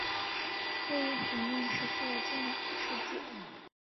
这一局面持续了近两个世纪。